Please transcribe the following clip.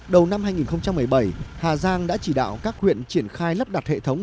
đầu năm hai nghìn một mươi bảy hà giang đã chỉ đạo các huyện triển khai lắp đặt hệ thống